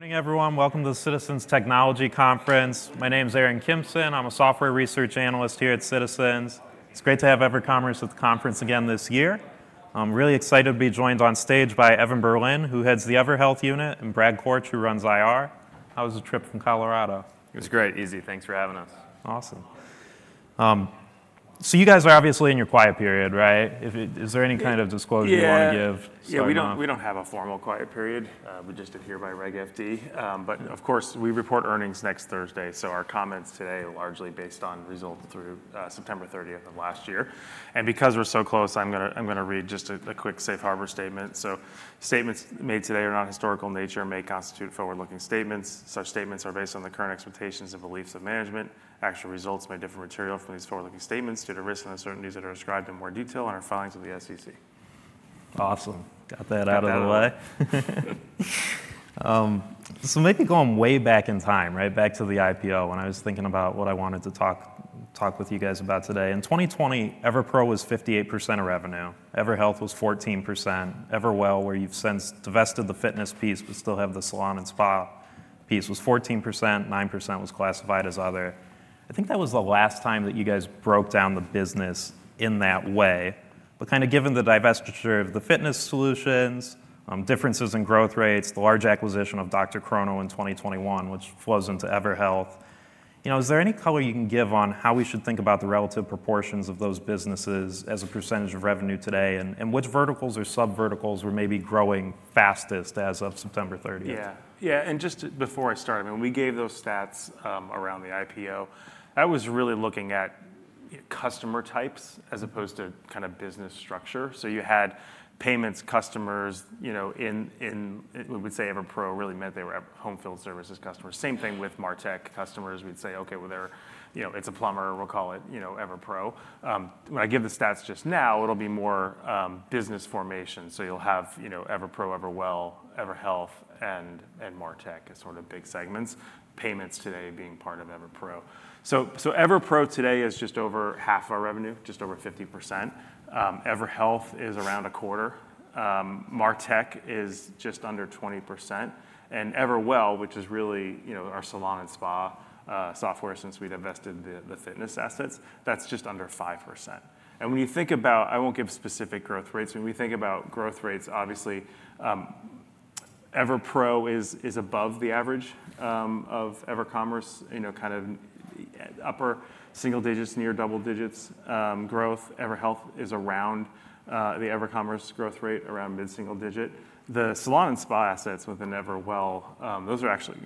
Good evening, everyone. Welcome to the Citizens Technology Conference. My name's Aaron Kimpson. I'm a Software Research Analyst here at Citizens. It's great to have EverCommerce at the conference again this year. I'm really excited to be joined on stage by Evan Berlin, who heads the EverHealth unit, and Brad Korch, who runs IR. How was the trip from Colorado? It was great. Easy. Thanks for having us. Awesome. So you guys are obviously in your quiet period, right? Is there any kind of disclosure you want to give? Yeah, we don't have a formal quiet period. We just abide by Reg FD here. But of course, we report earnings next Thursday. So our comments today are largely based on results through September 30 of last year. And because we're so close, I'm going to read just a quick safe harbor statement. So statements made today are not historical in nature and may constitute forward-looking statements. Such statements are based on the current expectations and beliefs of management. Actual results may differ materially from these forward-looking statements due to risks and uncertainties that are described in more detail in our filings with the SEC. Awesome. Got that out of the way. So maybe going way back in time, right? Back to the IPO, when I was thinking about what I wanted to talk with you guys about today. In 2020, EverPro was 58% of revenue. EverHealth was 14%. EverWell, where you've since divested the fitness piece but still have the salon and spa piece, was 14%. 9% was classified as other. I think that was the last time that you guys broke down the business in that way. But kind of given the divestiture of the fitness solutions, differences in growth rates, the large acquisition of DrChrono in 2021, which flows into EverHealth, is there any color you can give on how we should think about the relative proportions of those businesses as a percentage of revenue today? And which verticals or subverticals were maybe growing fastest as of September 30th? Yeah. Yeah. And just before I start, when we gave those stats around the IPO, I was really looking at customer types as opposed to kind of business structure. So you had payments customers. We would say EverPro really meant they were home field services customers. Same thing with MarTech customers. We'd say, okay, it's a plumber. We'll call it EverPro. When I give the stats just now, it'll be more business formation. So you'll have EverPro, EverWell, EverHealth, and MarTech as sort of big segments. Payments today being part of EverPro. So EverPro today is just over half our revenue, just over 50%. EverHealth is around a quarter. MarTech is just under 20%. And EverWell, which is really our salon and spa software since we divested the fitness assets, that's just under 5%. And when you think about, I won't give specific growth rates. When we think about growth rates, obviously, EverPro is above the average of EverCommerce, kind of upper single digits, near double digits growth. EverHealth is around the EverCommerce growth rate, around mid-single digit. The salon and spa assets within EverWell, those are actually,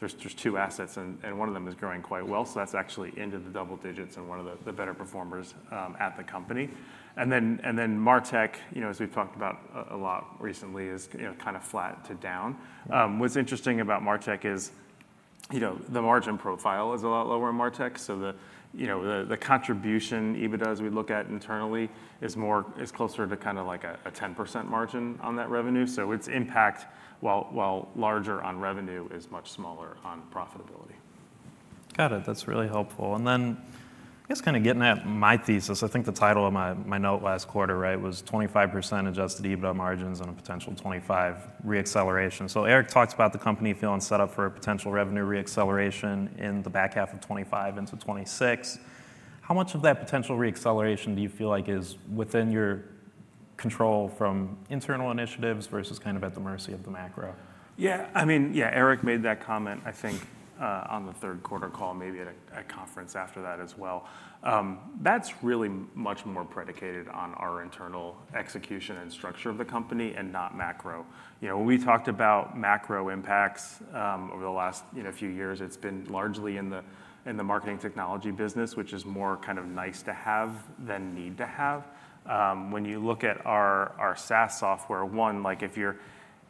there's two assets, and one of them is growing quite well. So that's actually into the double digits and one of the better performers at the company. And then MarTech, as we've talked about a lot recently, is kind of flat to down. What's interesting about MarTech is the margin profile is a lot lower in MarTech. So the contribution EBITDA as we look at internally is closer to kind of like a 10% margin on that revenue. So its impact, while larger on revenue, is much smaller on profitability. Got it. That's really helpful. And then I guess kind of getting at my thesis. I think the title of my note last quarter was 25% adjusted EBITDA margins and a potential 25 reacceleration. So Eric talked about the company feeling set up for a potential revenue reacceleration in the back half of 2025 into 2026. How much of that potential reacceleration do you feel like is within your control from internal initiatives versus kind of at the mercy of the macro? Yeah. I mean, yeah, Eric made that comment, I think, on the third quarter call, maybe at a conference after that as well. That's really much more predicated on our internal execution and structure of the company and not macro. When we talked about macro impacts over the last few years, it's been largely in the marketing technology business, which is more kind of nice to have than need to have. When you look at our SaaS software, one,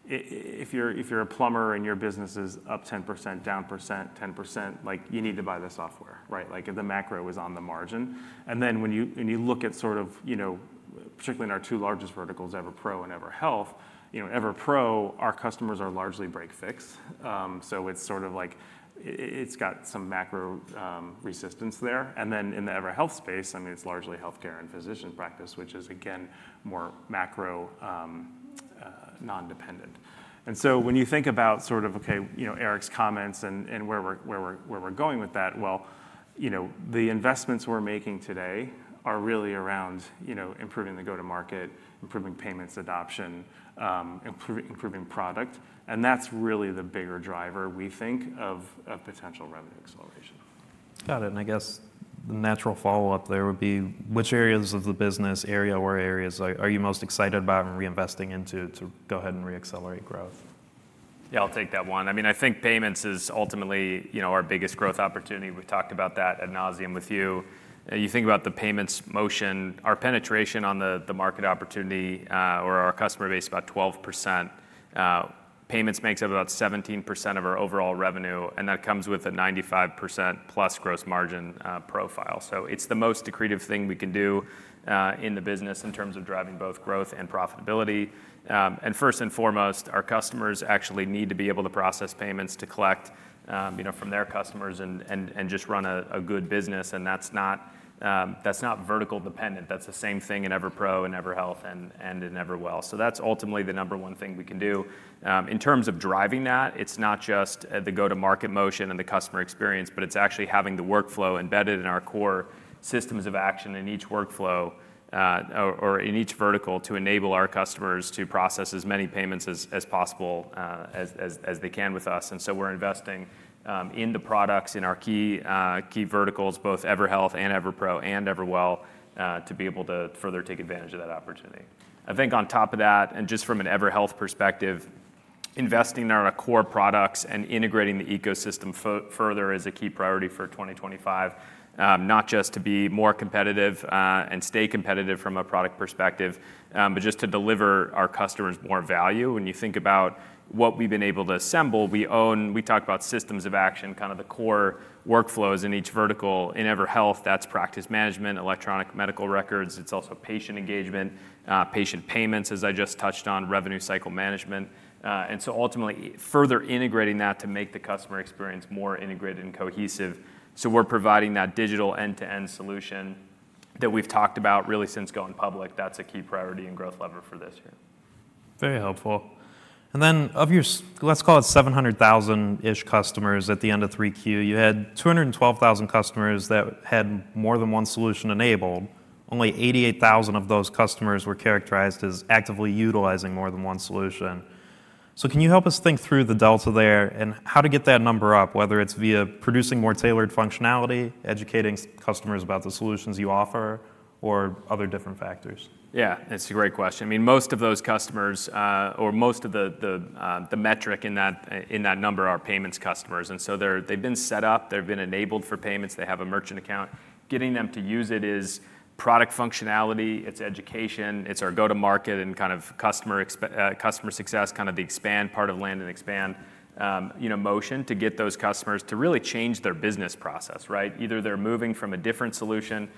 if you're a plumber and your business is up 10%, down 10%, you need to buy the software, right? The macro is on the margin. And then when you look at sort of, particularly in our two largest verticals, EverPro and EverHealth, EverPro, our customers are largely break/fix. So it's sort of like it's got some macro resistance there. And then in the EverHealth space, I mean, it's largely health care and physician practice, which is, again, more macro non-dependent. And so when you think about sort of, okay, Eric's comments and where we're going with that, well, the investments we're making today are really around improving the go-to-market, improving payments adoption, improving product. And that's really the bigger driver, we think, of potential revenue acceleration. Got it. And I guess the natural follow-up there would be, which areas of the business, area or areas, are you most excited about reinvesting into to go ahead and reaccelerate growth? Yeah, I'll take that one. I mean, I think payments is ultimately our biggest growth opportunity. We've talked about that ad nauseam with you. You think about the payments motion, our penetration on the market opportunity or our customer base is about 12%. Payments makes up about 17% of our overall revenue, and that comes with a 95%+ gross margin profile, so it's the most accretive thing we can do in the business in terms of driving both growth and profitability, and first and foremost, our customers actually need to be able to process payments to collect from their customers and just run a good business, and that's not vertical dependent. That's the same thing in EverPro and EverHealth and in EverWell, so that's ultimately the number one thing we can do. In terms of driving that, it's not just the go-to-market motion and the customer experience, but it's actually having the workflow embedded in our core systems of action in each workflow or in each vertical to enable our customers to process as many payments as possible as they can with us. And so we're investing in the products in our key verticals, both EverHealth and EverPro and EverWell, to be able to further take advantage of that opportunity. I think on top of that, and just from an EverHealth perspective, investing in our core products and integrating the ecosystem further is a key priority for 2025, not just to be more competitive and stay competitive from a product perspective, but just to deliver our customers more value. When you think about what we've been able to assemble, we own, we talk about systems of action, kind of the core workflows in each vertical. In EverHealth, that's practice management, electronic medical records. It's also patient engagement, patient payments, as I just touched on, revenue cycle management, and so ultimately, further integrating that to make the customer experience more integrated and cohesive, so we're providing that digital end-to-end solution that we've talked about really since going public. That's a key priority and growth lever for this year. Very helpful. And then of your, let's call it 700,000-ish customers at the end of 3Q, you had 212,000 customers that had more than one solution enabled. Only 88,000 of those customers were characterized as actively utilizing more than one solution. So can you help us think through the delta there and how to get that number up, whether it's via producing more tailored functionality, educating customers about the solutions you offer, or other different factors? Yeah, that's a great question. I mean, most of those customers, or most of the metric in that number are payments customers. And so they've been set up. They've been enabled for payments. They have a merchant account. Getting them to use it is product functionality. It's education. It's our go-to-market and kind of customer success, kind of the expand part of land and expand motion to get those customers to really change their business process, right? Either they're moving from a different solution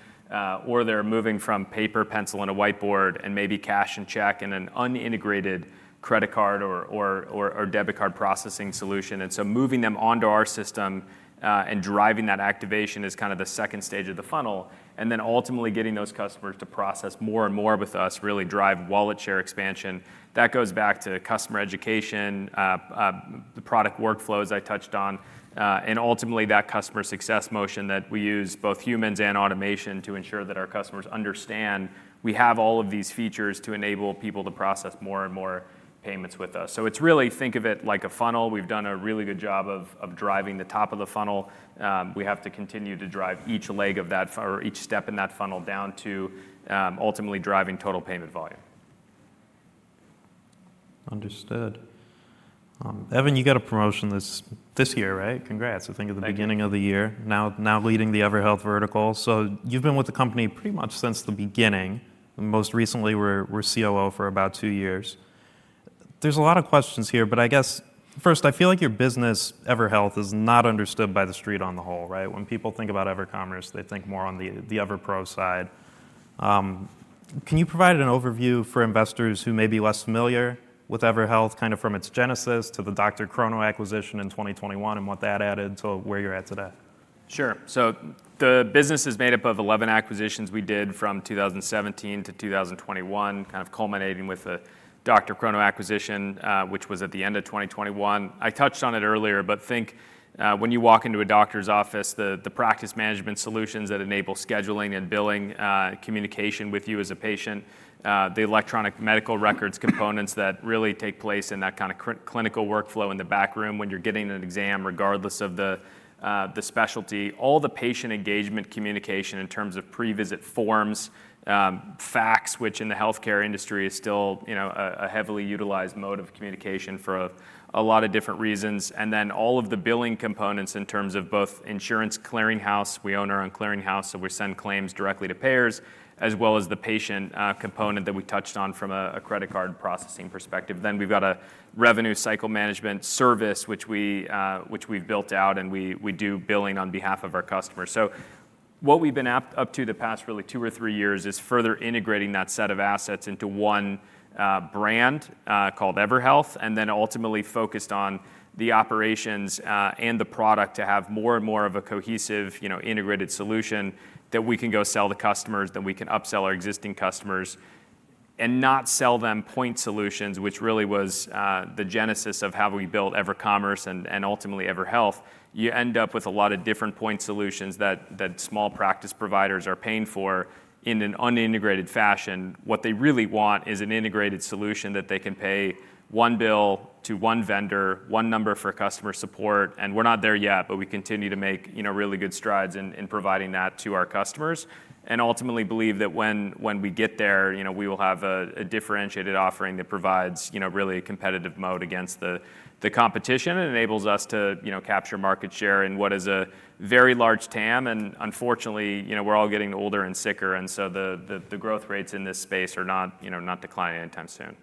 or they're moving from paper, pencil, and a whiteboard and maybe cash and check and an unintegrated credit card or debit card processing solution. And so moving them onto our system and driving that activation is kind of the second stage of the funnel. And then ultimately getting those customers to process more and more with us really drive wallet share expansion. That goes back to customer education, the product workflows I touched on, and ultimately that customer success motion that we use both humans and automation to ensure that our customers understand we have all of these features to enable people to process more and more payments with us. So it's really think of it like a funnel. We've done a really good job of driving the top of the funnel. We have to continue to drive each leg of that or each step in that funnel down to ultimately driving total payment volume. Understood. Evan, you got a promotion this year, right? Congrats. I think at the beginning of the year, now leading the EverHealth vertical. So you've been with the company pretty much since the beginning. Most recently, you were COO for about two years. There's a lot of questions here. But I guess first, I feel like your business, EverHealth, is not understood by the street on the whole, right? When people think about EverCommerce, they think more on the EverPro side. Can you provide an overview for investors who may be less familiar with EverHealth, kind of from its genesis to the DrChrono acquisition in 2021 and what that added to where you're at today? Sure. So the business is made up of 11 acquisitions we did from 2017 to 2021, kind of culminating with the DrChrono acquisition, which was at the end of 2021. I touched on it earlier, but think when you walk into a doctor's office, the practice management solutions that enable scheduling and billing, communication with you as a patient, the electronic medical records components that really take place in that kind of clinical workflow in the back room when you're getting an exam, regardless of the specialty, all the patient engagement communication in terms of pre-visit forms, fax, which in the health care industry is still a heavily utilized mode of communication for a lot of different reasons. And then all of the billing components in terms of both insurance clearinghouse. We own our own clearinghouse, so we send claims directly to payers, as well as the patient component that we touched on from a credit card processing perspective. Then we've got a revenue cycle management service, which we've built out, and we do billing on behalf of our customers. So what we've been up to the past really two or three years is further integrating that set of assets into one brand called EverHealth, and then ultimately focused on the operations and the product to have more and more of a cohesive, integrated solution that we can go sell to customers, that we can upsell our existing customers, and not sell them point solutions, which really was the genesis of how we built EverCommerce and ultimately EverHealth. You end up with a lot of different point solutions that small practice providers are paying for in an unintegrated fashion. What they really want is an integrated solution that they can pay one bill to one vendor, one number for customer support. And we're not there yet, but we continue to make really good strides in providing that to our customers. And ultimately believe that when we get there, we will have a differentiated offering that provides really a competitive moat against the competition. It enables us to capture market share in what is a very large TAM. And unfortunately, we're all getting older and sicker. And so the growth rates in this space are not declining anytime soon.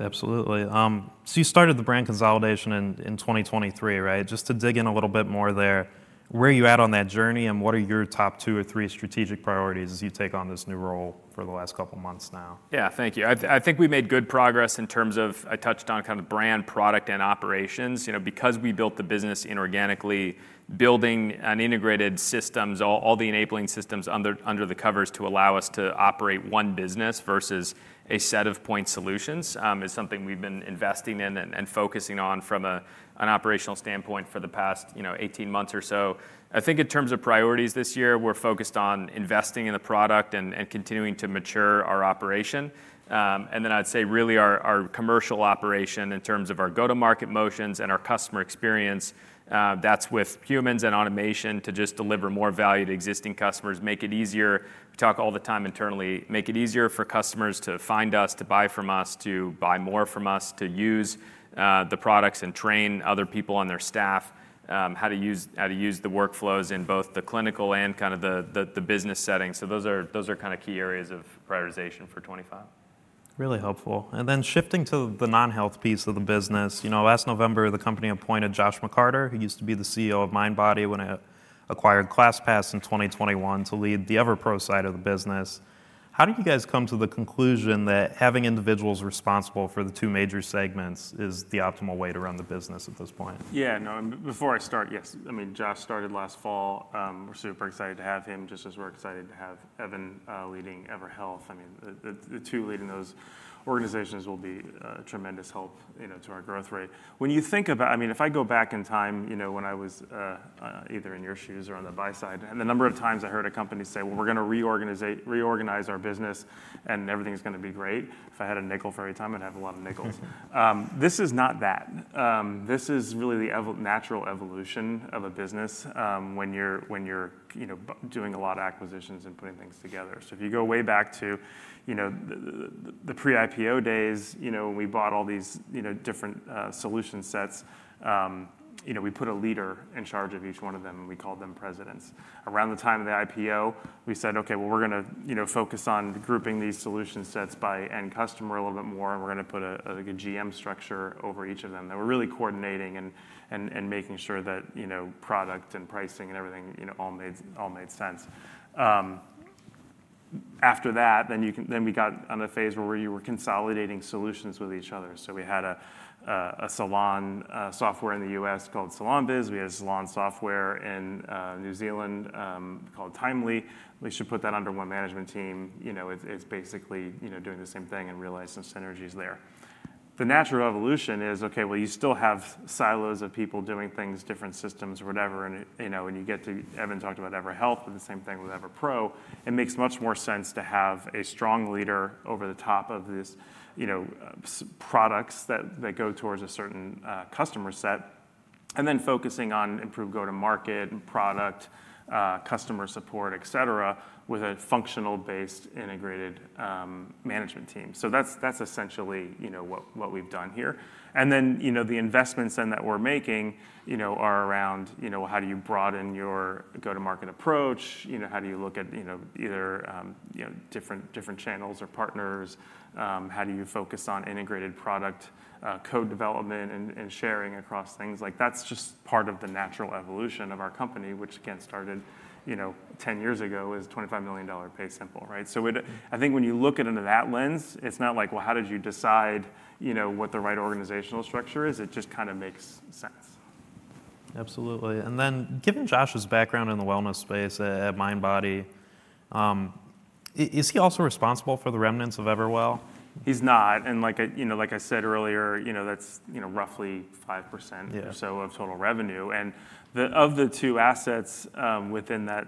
Absolutely. So you started the brand consolidation in 2023, right? Just to dig in a little bit more there, where are you at on that journey? And what are your top two or three strategic priorities as you take on this new role for the last couple of months now? Yeah, thank you. I think we made good progress in terms of. I touched on kind of brand, product, and operations. Because we built the business inorganically, building and integrated systems, all the enabling systems under the covers to allow us to operate one business versus a set of point solutions is something we've been investing in and focusing on from an operational standpoint for the past 18 months or so. I think in terms of priorities this year, we're focused on investing in the product and continuing to mature our operation, and then I'd say really our commercial operation in terms of our go-to-market motions and our customer experience. That's with humans and automation to just deliver more value to existing customers, make it easier. We talk all the time internally, make it easier for customers to find us, to buy from us, to buy more from us, to use the products and train other people on their staff, how to use the workflows in both the clinical and kind of the business setting, so those are kind of key areas of prioritization for 2025. Really helpful, and then shifting to the non-health piece of the business, last November, the company appointed Josh McCarter, who used to be the CEO of Mindbody when I acquired ClassPass in 2021, to lead the EverPro side of the business. How did you guys come to the conclusion that having individuals responsible for the two major segments is the optimal way to run the business at this point? Yeah, no, before I start, yes. I mean, Josh started last fall. We're super excited to have him, just as we're excited to have Evan leading EverHealth. I mean, the two leading those organizations will be a tremendous help to our growth rate. When you think about, I mean, if I go back in time when I was either in your shoes or on the buy side, and the number of times I heard a company say, well, we're going to reorganize our business and everything's going to be great. If I had a nickel for every time, I'd have a lot of nickels. This is not that. This is really the natural evolution of a business when you're doing a lot of acquisitions and putting things together. So if you go way back to the pre-IPO days, when we bought all these different solution sets, we put a leader in charge of each one of them, and we called them presidents. Around the time of the IPO, we said, okay, well, we're going to focus on grouping these solution sets by end customer a little bit more. And we're going to put a GM structure over each of them. And we're really coordinating and making sure that product and pricing and everything all made sense. After that, then we got on a phase where you were consolidating solutions with each other. So we had a salon software in the U.S. called SalonBiz. We had salon software in New Zealand called Timely. We should put that under one management team. It's basically doing the same thing and realize some synergies there. The natural evolution is, okay, well, you still have silos of people doing things, different systems, whatever. And you get to, Evan talked about EverHealth, but the same thing with EverPro. It makes much more sense to have a strong leader over the top of these products that go towards a certain customer set. And then focusing on improved go-to-market, product, customer support, et cetera, with a functional-based integrated management team. So that's essentially what we've done here. And then the investments then that we're making are around how do you broaden your go-to-market approach? How do you look at either different channels or partners? How do you focus on integrated product code development and sharing across things? Like that's just part of the natural evolution of our company, which again started 10 years ago as $25 million PaySimple, right? So I think when you look at it under that lens, it's not like, well, how did you decide what the right organizational structure is? It just kind of makes sense. Absolutely. And then given Josh's background in the wellness space at Mindbody, is he also responsible for the remnants of EverWell? He's not. And like I said earlier, that's roughly 5% or so of total revenue. And of the two assets within that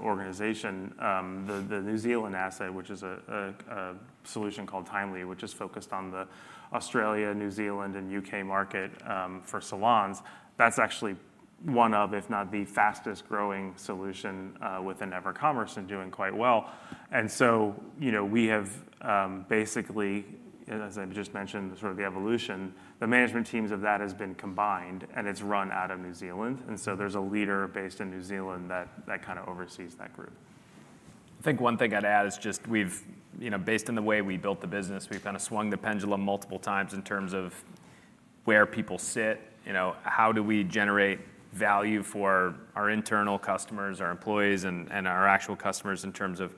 organization, the New Zealand asset, which is a solution called Timely, which is focused on the Australia, New Zealand, and U.K. market for salons, that's actually one of, if not the fastest growing solution within EverCommerce and doing quite well. And so we have basically, as I just mentioned, sort of the evolution, the management teams of that has been combined, and it's run out of New Zealand. And so there's a leader based in New Zealand that kind of oversees that group. I think one thing I'd add is just, based on the way we built the business, we've kind of swung the pendulum multiple times in terms of where people sit. How do we generate value for our internal customers, our employees, and our actual customers in terms of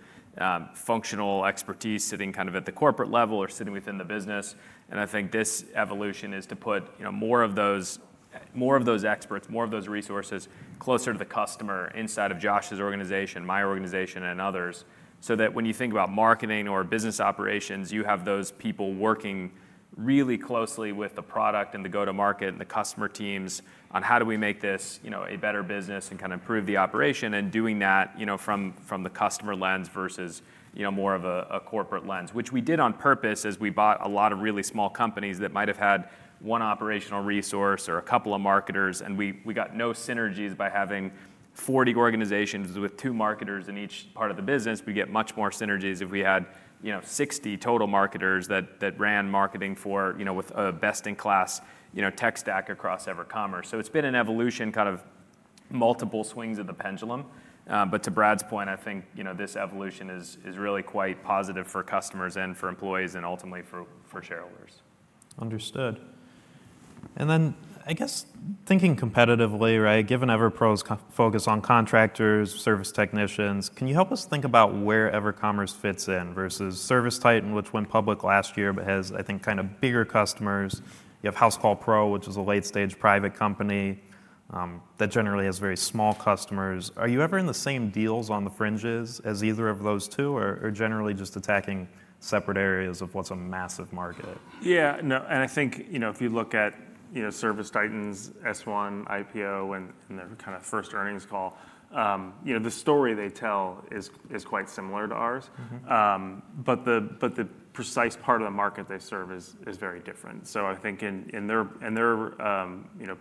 functional expertise sitting kind of at the corporate level or sitting within the business? And I think this evolution is to put more of those experts, more of those resources closer to the customer inside of Josh's organization, my organization, and others, so that when you think about marketing or business operations, you have those people working really closely with the product and the go-to-market and the customer teams on how do we make this a better business and kind of improve the operation and doing that from the customer lens versus more of a corporate lens, which we did on purpose as we bought a lot of really small companies that might have had one operational resource or a couple of marketers. And we got no synergies by having 40 organizations with two marketers in each part of the business. We get much more synergies if we had 60 total marketers that ran marketing with a best-in-class tech stack across EverCommerce. So it's been an evolution, kind of multiple swings of the pendulum. But to Brad's point, I think this evolution is really quite positive for customers and for employees and ultimately for shareholders. Understood. And then I guess thinking competitively, right? Given EverPro's focus on contractors, service technicians, can you help us think about where EverCommerce fits in versus ServiceTitan, which went public last year but has, I think, kind of bigger customers? You have Housecall Pro, which is a late-stage private company that generally has very small customers. Are you ever in the same deals on the fringes as either of those two, or generally just attacking separate areas of what's a massive market? Yeah, no. And I think if you look at ServiceTitan's S-1 IPO and their kind of first earnings call, the story they tell is quite similar to ours. But the precise part of the market they serve is very different. So I think in their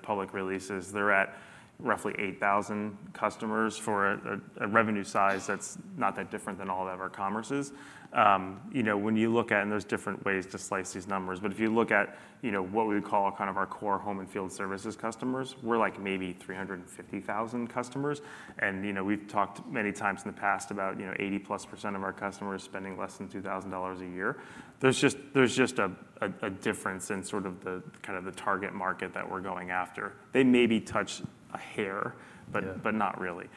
public releases, they're at roughly 8,000 customers for a revenue size that's not that different than all of EverCommerce's. When you look at, and there's different ways to slice these numbers, but if you look at what we would call kind of our core home and field services customers, we're like maybe 350,000 customers. And we've talked many times in the past about 80%+ of our customers spending less than $2,000 a year. There's just a difference in sort of the kind of target market that we're going after. They maybe touch a hair, but not really.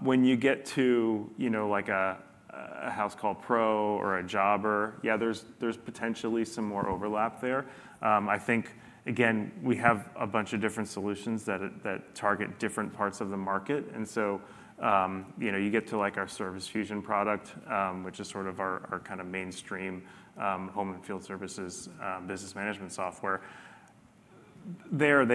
When you get to a Housecall Pro or a Jobber, yeah, there's potentially some more overlap there. I think, again, we have a bunch of different solutions that target different parts of the market. And so you get to our Service Fusion product, which is sort of our kind of mainstream home and field services business management software. There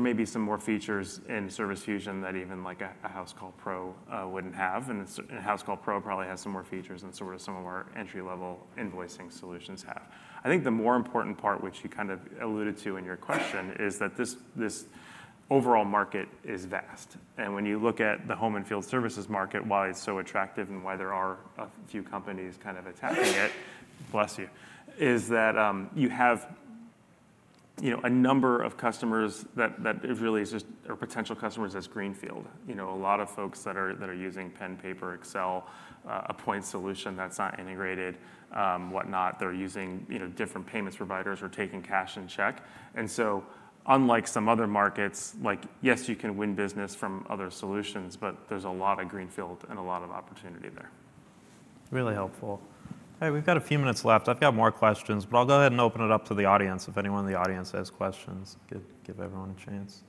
may be some more features in Service Fusion that even a Housecall Pro wouldn't have. And Housecall Pro probably has some more features than sort of some of our entry-level invoicing solutions have. I think the more important part, which you kind of alluded to in your question, is that this overall market is vast. And when you look at the home and field services market, why it's so attractive and why there are a few companies kind of attacking it, bless you, is that you have a number of customers that really are potential customers as greenfield. A lot of folks that are using pen, paper, Excel, a point solution that's not integrated, whatnot. They're using different payments providers or taking cash and check. And so unlike some other markets, like yes, you can win business from other solutions, but there's a lot of greenfield and a lot of opportunity there. Really helpful. All right, we've got a few minutes left. I've got more questions, but I'll go ahead and open it up to the audience. If anyone in the audience has questions, give everyone a chance.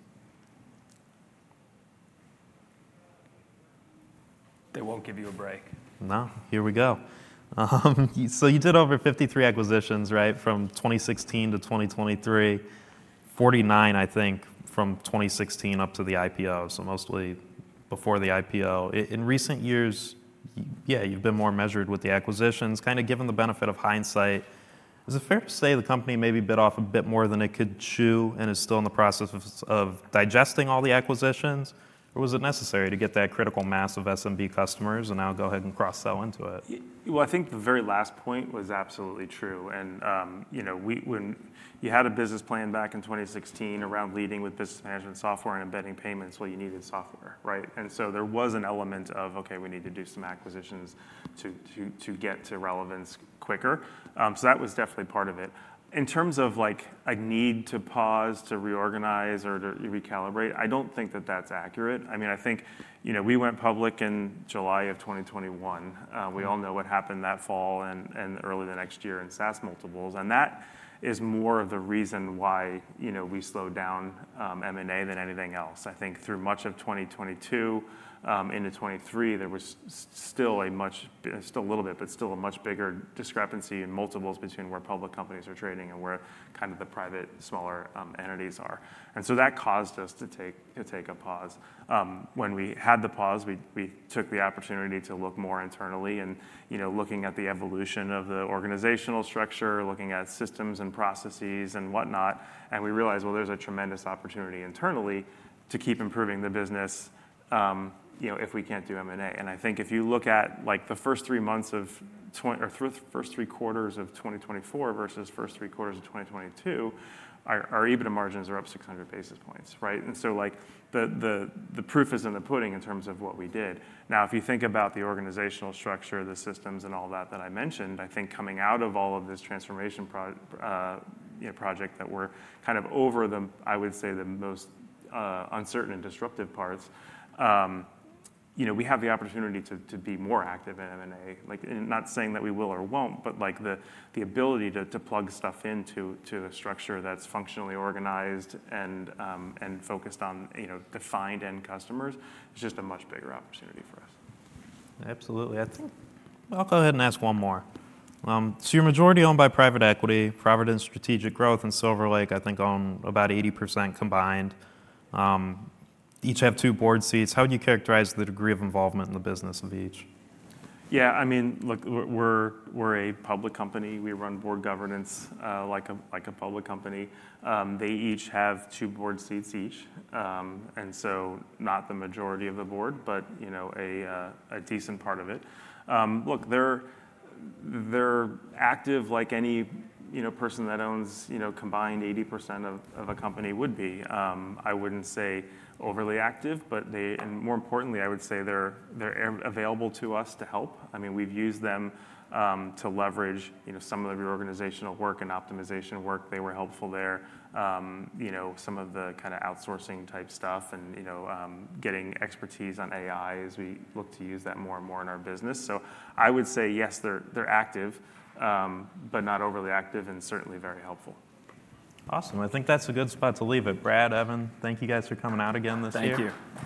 They won't give you a break. No. Here we go. So you did over 53 acquisitions, right, from 2016 to 2023, 49, I think, from 2016 up to the IPO, so mostly before the IPO. In recent years, yeah, you've been more measured with the acquisitions, kind of given the benefit of hindsight. Is it fair to say the company maybe bit off a bit more than it could chew and is still in the process of digesting all the acquisitions? Or was it necessary to get that critical mass of SMB customers and now go ahead and cross-sell into it? I think the very last point was absolutely true. You had a business plan back in 2016 around leading with business management software and embedding payments where you needed software, right? There was an element of, okay, we need to do some acquisitions to get to relevance quicker. That was definitely part of it. In terms of a need to pause, to reorganize, or to recalibrate, I don't think that that's accurate. I mean, I think we went public in July of 2021. We all know what happened that fall and early the next year in SaaS multiples. That is more of the reason why we slowed down M&A than anything else. I think through much of 2022 into 2023, there was still a much, still a little bit, but still a much bigger discrepancy in multiples between where public companies are trading and where kind of the private smaller entities are. And so that caused us to take a pause. When we had the pause, we took the opportunity to look more internally and looking at the evolution of the organizational structure, looking at systems and processes and whatnot. And we realized, well, there's a tremendous opportunity internally to keep improving the business if we can't do M&A. And I think if you look at the first three quarters of 2024 versus first three quarters of 2022, our EBITDA margins are up 600 basis points, right? And so the proof is in the pudding in terms of what we did. Now, if you think about the organizational structure, the systems, and all that that I mentioned, I think coming out of all of this transformation project that we're kind of over the, I would say, the most uncertain and disruptive parts, we have the opportunity to be more active in M&A. Not saying that we will or won't, but the ability to plug stuff into a structure that's functionally organized and focused on defined end customers is just a much bigger opportunity for us. Absolutely. I think I'll go ahead and ask one more. So you're majority owned by private equity, Providence Strategic Growth, and Silver Lake, I think own about 80% combined. Each have two board seats. How would you characterize the degree of involvement in the business of each? Yeah, I mean, look, we're a public company. We run board governance like a public company. They each have two board seats each, and so not the majority of the board, but a decent part of it. Look, they're active like any person that owns combined 80% of a company would be. I wouldn't say overly active, but more importantly, I would say they're available to us to help. I mean, we've used them to leverage some of the reorganizational work and optimization work. They were helpful there, some of the kind of outsourcing type stuff and getting expertise on AI as we look to use that more and more in our business. So I would say, yes, they're active, but not overly active and certainly very helpful. Awesome. I think that's a good spot to leave it. Brad, Evan, thank you guys for coming out again this year. Thank you.